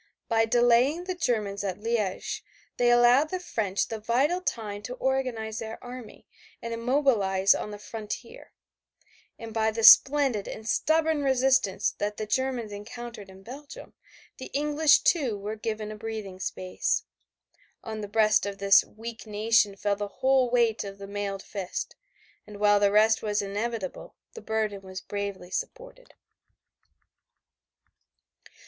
By delaying the Germans at Liège they allowed the French the vital time to organize their army and mobilize on the frontier, and by the splendid and stubborn resistance that the Germans encountered in Belgium the English too were given a breathing space. On the breast of this weak nation fell the whole weight of the mailed fist, and while the result was inevitable the burden was bravely supported.